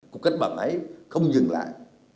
của các bạn ấy không dừng lại